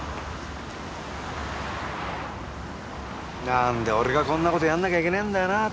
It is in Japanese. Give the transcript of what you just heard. なんで俺がこんな事やんなきゃいけねえんだよなぁ。